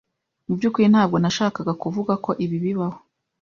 Mu byukuri ntabwo nashakaga kuvuga ko ibi bibaho.